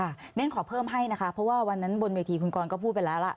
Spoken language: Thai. อย่างนั้นขอเพิ่มให้นะคะเพราะว่าวันนั้นบนเวทีคุณกรก็พูดไปแล้วล่ะ